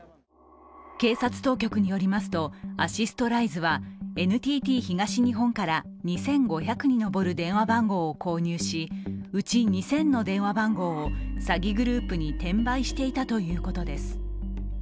警察当局によりますとアシストライズはＮＴＴ東日本から２５００に上る電話番号を購入し、うし２０００の電話番号を詐欺グループに転売していたということです。